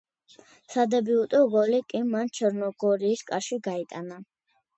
სადებიუტო გოლი კი მან ჩერნოგორიის კარში გაიტანა.